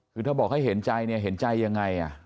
คือถ้าบอกให้เห็นใจเนี่ยเห็นใจยังไง